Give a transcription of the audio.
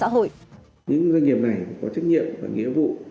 hội những doanh nghiệp này có trách nhiệm và nghĩa vụ